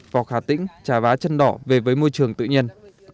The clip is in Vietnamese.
vọc hà tĩnh trà vá chân đỏ về với môi trường tự nhiên